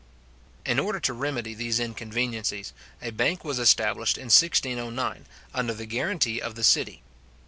In order to remedy these inconveniencies, a bank was established in 1609, under the guarantee of the city.